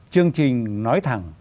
chương trình nói thẳng